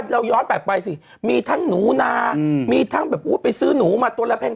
เราย้อนแบบไปสิมีทั้งหนูนาอืมมีทั้งแบบอู้ไปซื้อนูมาตัวแล้วแพง